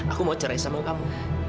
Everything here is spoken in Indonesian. aku mau cerai sama kamu